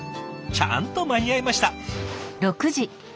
ちゃんと間に合いました！